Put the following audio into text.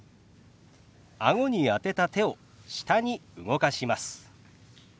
あごに当てた手を下に動かします。